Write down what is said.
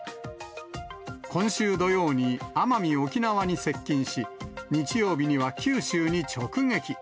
今週土曜に奄美・沖縄に接近し、日曜日には九州に直撃。